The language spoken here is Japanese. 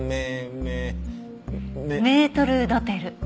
メートル・ドテル。